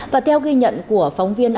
và theo ghi nhận của phóng viên